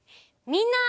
みんな！